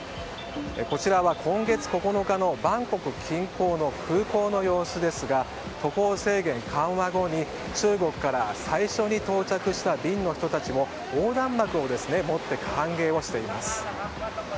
こちらは、今月９日のバンコク近郊の空港の様子ですが渡航制限緩和後に、中国から最初に到着した便の人たちも横断幕を持って歓迎をしています。